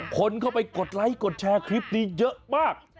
คนเข้าไปกดไลค์กดแชร์คลิปนี้เยอะมาก